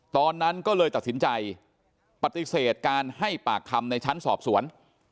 ตอนนั้นก็เลยตัดสินใจปฏิเสธการให้ปากคำในชั้นสอบสวน